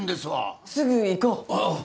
すぐ行こう。